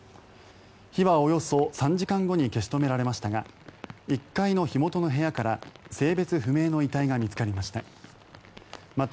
火はおよそ３時間後に消し止められましたが１階の火元の部屋から性別不明の遺体が見つかりました。